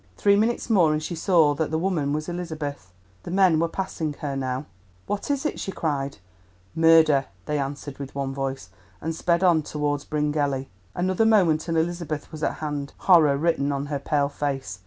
Three minutes more and she saw that the woman was Elizabeth. The men were passing her now. "What is it?" she cried. "Murder!" they answered with one voice, and sped on towards Bryngelly. Another moment and Elizabeth was at hand, horror written on her pale face.